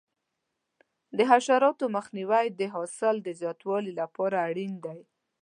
د حشراتو مخنیوی د حاصل د زیاتوالي لپاره اړین دی.